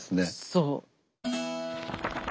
そう。